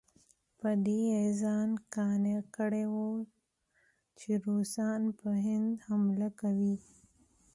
په دې یې ځان قانع کړی وو چې روسان پر هند حمله کوي.